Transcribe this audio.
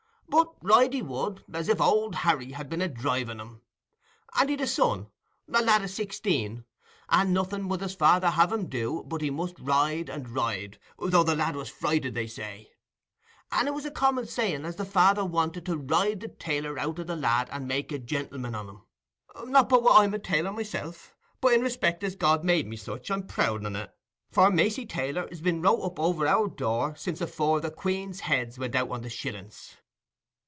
But ride he would, as if Old Harry had been a driving him; and he'd a son, a lad o' sixteen; and nothing would his father have him do, but he must ride and ride—though the lad was frighted, they said. And it was a common saying as the father wanted to ride the tailor out o' the lad, and make a gentleman on him—not but what I'm a tailor myself, but in respect as God made me such, I'm proud on it, for "Macey, tailor", 's been wrote up over our door since afore the Queen's heads went out on the shillings.